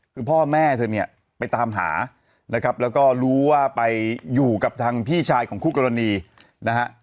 คือพ่อแม่เธอเนี่ยไปตามหานะครับแล้วก็รู้ว่าไปอยู่กับทางพี่ชายของคู่กรณีนะฮะ